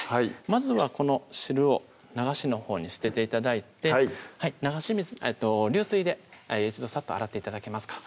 まずはこの汁を流しのほうに捨てて頂いて流水で一度さっと洗って頂けますか？